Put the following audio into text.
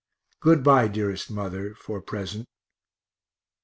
Good bye, dearest mother, for present.